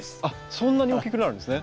そんなに大きくなるんですね。